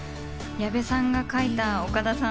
矢部さんが描いた岡田さん